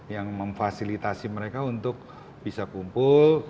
yang memfasilitasi mereka untuk bisa kumpul